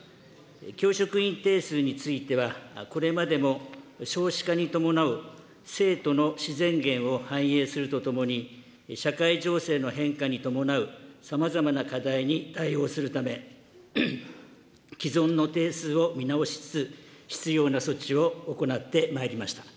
教職員定数についてはこれまでも少子化に伴う生徒の自然減を反映するとともに、社会情勢の変化に伴うさまざまな課題に対応するため、既存の定数を見直しつつ、必要な措置を行ってまいりました。